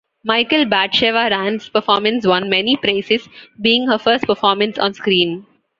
Michal Batsheva Rand's performance won many praises, being her first performance on screen.